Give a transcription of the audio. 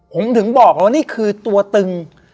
ผมถึงบอกแล้วว่านี่คือตัวตึง